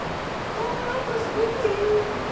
わあなんかすごくいい！